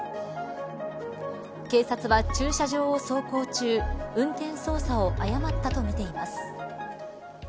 ￥警察は、駐車場を走行中運転操作を誤ったとみています。